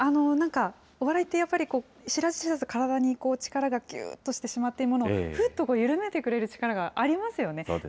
なんか、お笑いってやっぱり、知らず知らず体に力がぎゅっとしてしまっているものを、ふっと緩めてくれる力がありますよね。